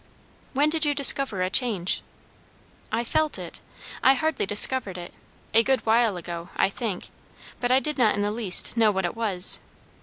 "When did you discover a change?" "I felt it I hardly discovered it a good while ago, I think. But I did not in the least know what it was.